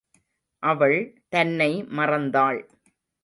அவள் தன்னை மறந்தாள்.